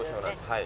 はい。